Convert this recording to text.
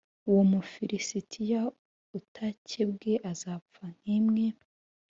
uwo mufilisitiya utakebwe azapfa nk imwe